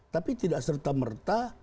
tapi tidak serta merta